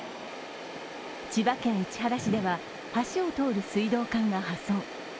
千葉県市原市では、橋を通る水道管が破損。